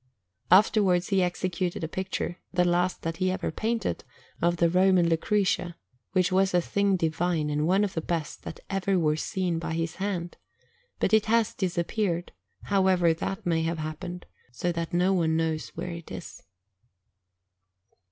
Afterwards he executed a picture, the last that he ever painted, of the Roman Lucretia, which was a thing divine and one of the best that were ever seen by his hand; but it has disappeared, however that may have happened, so that no one knows where it is.